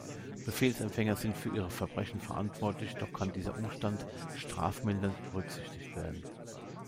Befehlsempfänger sind für ihre Verbrechen verantwortlich, doch kann dieser Umstand strafmildernd berücksichtigt werden.